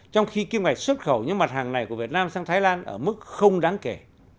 trong khi kim ngạch xuất khẩu những mặt hàng này của việt nam sang thái lan ở mức không đáng kể